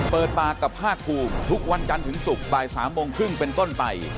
เปิดปากกับภาคภูมิทุกวันจันทร์ถึงศุกร์บ่าย๓โมงครึ่งเป็นต้นไป